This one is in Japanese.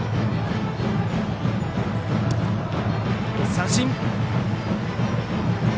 三振！